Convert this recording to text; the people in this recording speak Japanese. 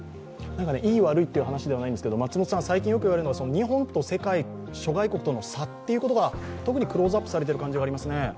いい悪いっていう話ではないんですけど日本と世界、諸外国との差が特にクローズアップされている感じがありますね。